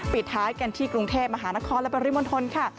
ปิดท้ายกันที่กรุงเทพมหานครและปริมณฑลค่ะ